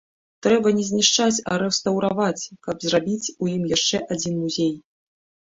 Трэба не знішчаць, а рэстаўраваць, каб зрабіць у ім яшчэ адзін музей.